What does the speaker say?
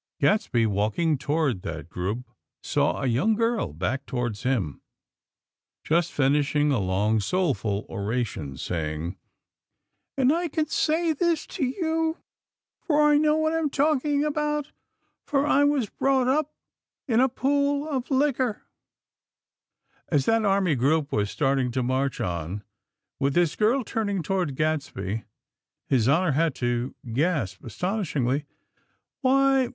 Gadsby, walking toward that group, saw a young girl, back towards him, just finishing a long, soulful oration, saying: "... and I can say this to you, for I know what I am talking about; for I was brought up in a pool of liquor!!" As that army group was starting to march on, with this girl turning towards Gadsby, His Honor had to gasp, astonishingly: "Why!